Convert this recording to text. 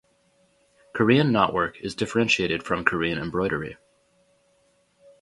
Korean knotwork is differentiated from Korean embroidery.